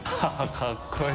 かっこいい。